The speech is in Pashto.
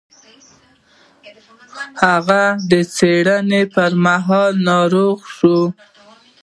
هغې د څېړنې پر مهال ناروغه شوه.